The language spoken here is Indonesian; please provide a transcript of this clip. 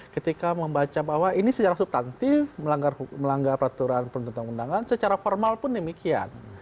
ketika membaca bahwa ini secara subtantif melanggar peraturan perundang undangan secara formal pun demikian